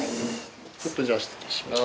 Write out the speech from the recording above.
ちょっとじゃあ失礼します。